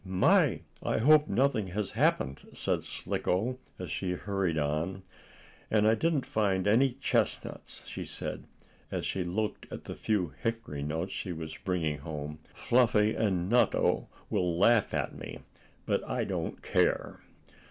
"My, I hope nothing has happened," said Slicko, as she hurried on. "And I didn't find any chestnuts," she said, as she looked at the few hickory nuts she was bringing home. "Fluffy and Nutto will laugh at me. But I don't care."